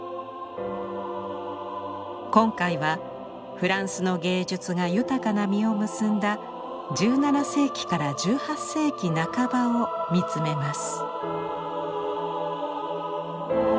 今回はフランスの芸術が豊かな実を結んだ１７世紀から１８世紀半ばを見つめます。